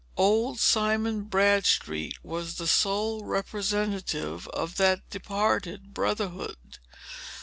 Old Simon Bradstreet was the sole representative of that departed brotherhood.